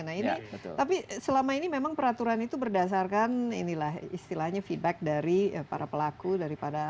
nah ini tapi selama ini memang peraturan itu berdasarkan inilah istilahnya feedback dari para pelaku daripada